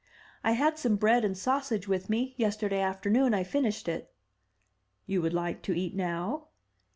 '* *I had some bread and sausage with me; yesterday after noon I finished it." "You would like to eat now?'